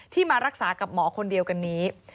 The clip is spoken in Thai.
มารักษากับหมอคนเดียวกันนี้